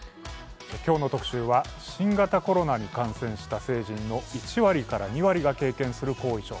今日の特集は新型コロナに感染した成人の１割から２割が経験する後遺症。